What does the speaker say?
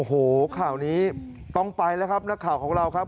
โอ้โหข่าวนี้ต้องไปแล้วครับนักข่าวของเราครับ